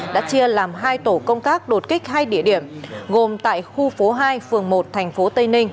đã chia làm hai tổ công tác đột kích hai địa điểm gồm tại khu phố hai phường một thành phố tây ninh